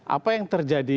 apa yang terjadi